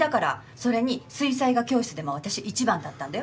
それに水彩画教室でも私１番だったんだよ。